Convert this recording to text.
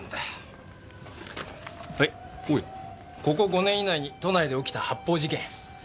ここ５年以内に都内で起きた発砲事件。